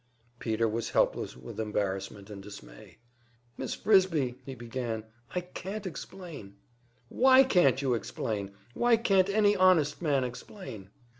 Peter was helpless with embarrassment and dismay. "Miss Frisbie," he began, "I can't explain " "Why can't you explain? Why can't any honest man explain?"